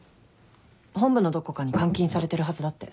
本部のどこかに監禁されてるはずだって。